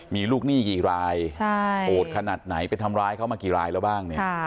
มีลูกหนี้กี่รายโหดขนาดไหนไปทำร้ายเขามากี่รายแล้วบ้างเนี่ย